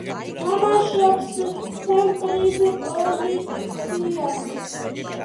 თამაშობს ცენტრის პოზიციაზე.